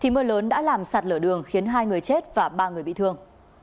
mưa lớn đã làm sạt lở đường khiến hai người chết và ba người bị thương